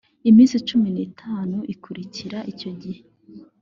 iminsi cumi n’ itanu ikurikira icyo gihe